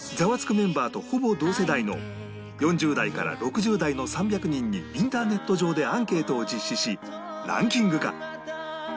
メンバーとほぼ同世代の４０代から６０代の３００人にインターネット上でアンケートを実施しランキング化